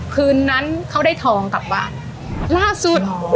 คืนนั้นเขาได้ทองกับว่าราครสุด